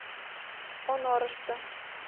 Онорышто